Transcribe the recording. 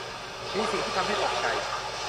มีสิ่งที่ทำให้ตกใจ